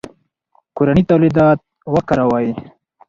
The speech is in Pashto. کورني تولیدات وکاروئ.